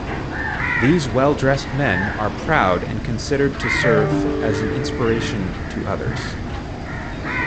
These well-dressed men are proud and considered to serve as an inspiration to others.